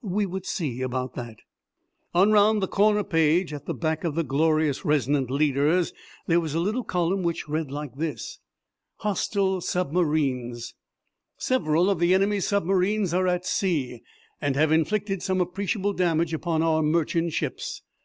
We would see about that. On the round the corner page, at the back of the glorious resonant leaders, there was a little column which read like this: HOSTILE SUBMARINES Several of the enemy's submarines are at sea, and have inflicted some appreciable damage upon our merchant ships.